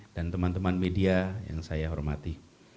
teman teman media yang saya hormati